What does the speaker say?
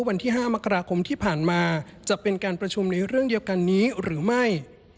วันที่๕มกราคมที่ผ่านมาจะเป็นการประชุมในเรื่องเดียวกันนี้หรือไม่